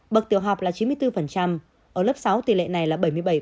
bậc tiểu học là chín mươi bốn ở lớp sáu tỷ lệ này là bảy mươi bảy